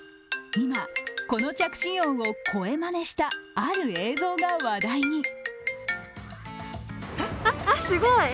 今、この着信音を声マネしたある映像が話題に。